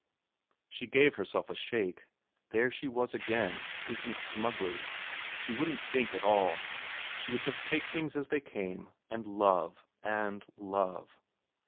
... She gave herself a shake, there she was again, thinking smugly. She wouldn't think at all. She would just take things as they came, and love, and love.